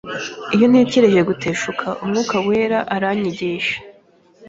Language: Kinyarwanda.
iyo ntekereje guteshuka, umwuka wera aranyigisha